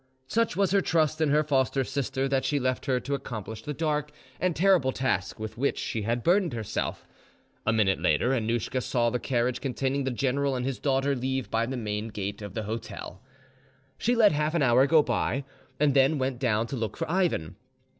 Such was her trust in her foster sister that she left her to accomplish the dark and terrible task with which she had burdened herself. A minute later, Annouschka saw the carriage containing the general and his daughter leave by the main gate of the hotel. She let half an hour go by, and then went down to look for Ivan.